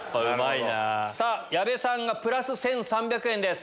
さぁ矢部さんがプラス１３００円です。